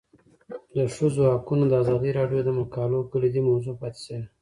د ښځو حقونه د ازادي راډیو د مقالو کلیدي موضوع پاتې شوی.